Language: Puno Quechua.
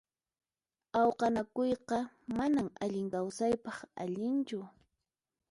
Awqanakuyqa manan allin kawsaypaq allinchu.